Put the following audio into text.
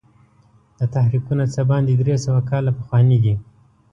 دا تحریکونه څه باندې درې سوه کاله پخواني دي.